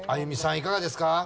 いかがですか？